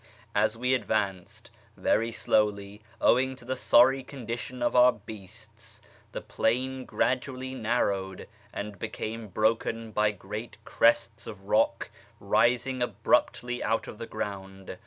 As we advanced — very slowly, owing to the sorry condition of our beasts — the plain gradually narrowed, and became broken by great crests of rock rising abruptly out of the ground.